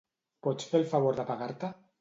Pots fer el favor d'apagar-te?